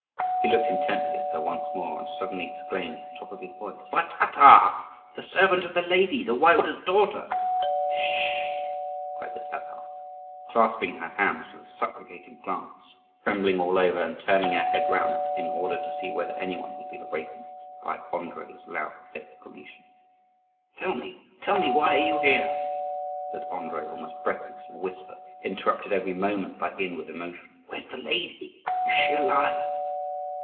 He looked intently at her once more, and suddenly exclaimed at the top of his voice, "You are the Tatar! the servant of the lady, the Waiwode's daughter!" "Sh!" cried the Tatar, clasping her hands with a supplicating glance, trembling all over, and turning her head round in order to see whether any one had been awakened by Andrii's loud exclamation. "Tell me, tell me, why are you here?" said Andrii almost breathlessly, in a whisper, interrupted every moment by inward emotion. "Where is the lady? is she alive?"